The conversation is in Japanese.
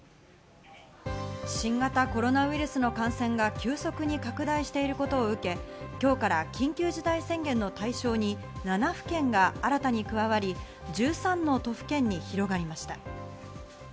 新型コロナウイルスの感染が急速に拡大していることを受け、今日から緊急事態宣言の対象に７府県が新たに加わり、１３の都府県に広がりました。